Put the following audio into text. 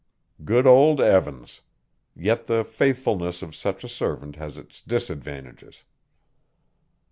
Good old Evans! Yet the faithfulness of such a servant has its disadvantages.